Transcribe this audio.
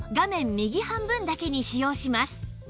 右半分だけに使用します